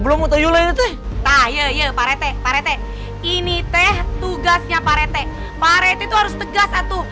belum atau yulet nah iya iya pak rete ini teh tugasnya pak rete pak rete itu harus tegas satu